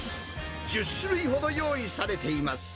１０種類ほど用意されています。